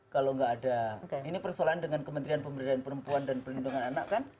kalau nggak ada ini persoalan dengan kementerian pemberdayaan perempuan dan perlindungan anak kan